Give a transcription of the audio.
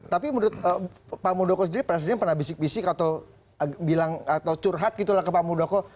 tapi menurut pak muldoko sendiri presiden pernah bisik bisik atau bilang atau curhat gitu lah ke pak muldoko